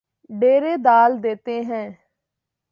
ڈیرے ڈال دیتے ہیں